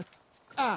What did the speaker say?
ああ！